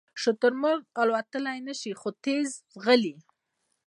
شترمرغ الوتلی نشي خو تېز ځغلي